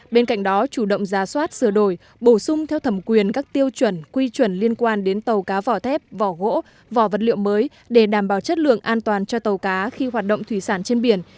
bên cạnh đó chủ động ra soát sửa đổi bổ sung theo thẩm quyền các tiêu chuẩn quy chuẩn liên quan đến tàu cá vỏ thép vỏ gỗ vỏ vật liệu mới để đảm bảo chất lượng an toàn cho tàu cá khi hoạt động thủy sản trên biển